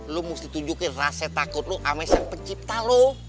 lo harus ditunjukin rasa takut lo sama iseng pencipta lo